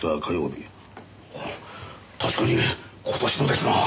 あ確かに今年のですなぁ！